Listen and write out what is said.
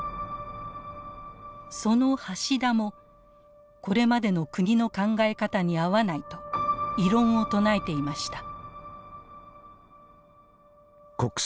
その橋田もこれまでの国の考え方に合わないと異論を唱えていました。